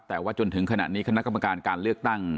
แต่ว่าจนถึงขณะนี้คณะกรรมการการเลือกตั้ง